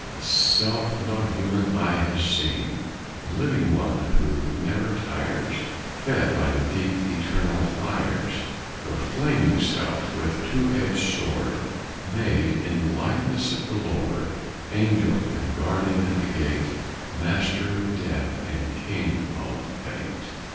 The Self no human eye has seen, The living one who never tires, Fed by the deep eternal fires. Your flaming Self, with two edged sword, Made in the likeness of the Lord, Angel and guardian at the gate, Master of Death and King of Fate!